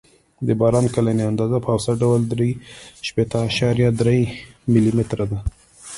د باران کلنۍ اندازه په اوسط ډول درې شپېته اعشاریه درې ملي متره ده